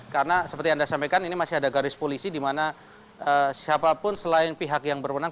karena seperti anda sampaikan ini masih ada garis polisi di mana siapapun selain pihak yang berwenang